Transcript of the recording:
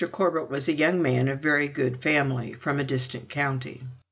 Corbet was a young man of very good family, from a distant county.